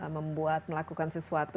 membuat melakukan sesuatu